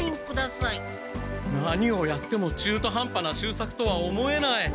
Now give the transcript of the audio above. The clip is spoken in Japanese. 何をやってもちゅーとはんぱな秀作とは思えない。